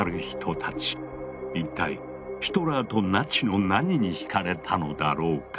一体ヒトラーとナチの何にひかれたのだろうか？